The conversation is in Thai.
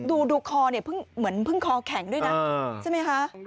ดูคอเนี่ยเพิ่งเหมือนเพิ่งคอแข็งด้วยนะใช่ไหมคะ